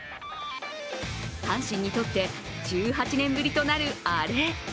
阪神にとって１８年ぶりとなるアレ。